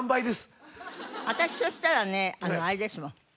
私そしたらねあれですもん。